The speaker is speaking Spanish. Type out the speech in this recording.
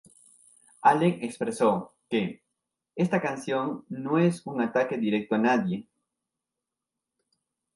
Allen expresó que "Esta canción no es un ataque directo a nadie.